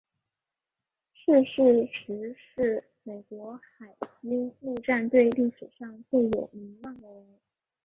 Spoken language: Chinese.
逝世时是美国海军陆战队历史上最有名望的人。